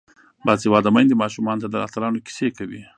باسواده میندې ماشومانو ته د اتلانو کیسې کوي.